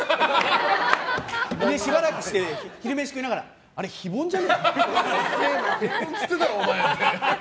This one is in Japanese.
しばらくして、昼飯食いながら非凡じゃない？って。